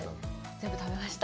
全部食べました。